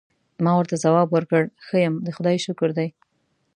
ما ورته ځواب ورکړ: ښه یم، د خدای شکر دی.